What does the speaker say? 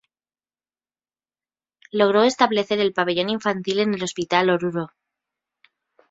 Logró establecer el Pabellón Infantil en el Hospital Oruro.